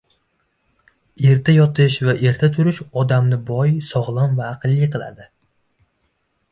• Erta yotish va erta turish odamni boy, sog‘lom va aqlli qiladi.